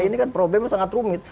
ini kan problemnya sangat rumit